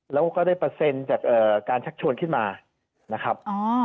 แล้วก็ได้เปอร์เซ็นต์จากการชักชวนขึ้นมานะครับ